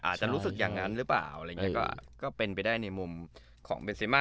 อาจจะรู้สึกอย่างนั้นหรือเปล่าอะไรอย่างนี้ก็เป็นไปได้ในมุมของเบนเซมา